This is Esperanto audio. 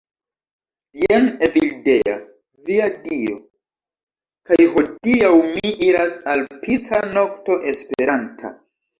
Jen Evildea. Via Dio. kaj hodiaŭ mi iras al pica nokto esperanta